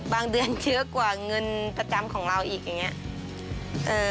เดือนเชื้อกว่าเงินประจำของเราอีกอย่างนี้